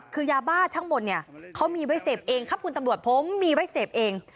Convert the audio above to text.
คือยาบ้าทั้งหมดเนี่ยเขามีไว้เสพเองครับคุณตำรวจผมมีไว้เสพเอง